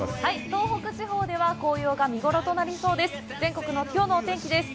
東北地方では紅葉が見ごろとなりそうです。